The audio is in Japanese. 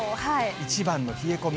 一番の冷え込み。